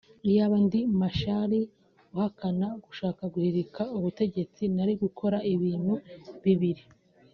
iyaba ndi Machar uhakana gushaka guhirika ubutegetsi nari gukora ibintu bibiri